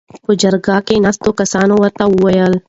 .په جرګه کې ناستو کسانو ورته ووېل: